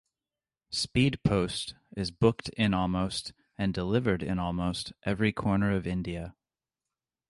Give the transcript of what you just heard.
Speed Post is booked in almost and delivered in almost every corner of India.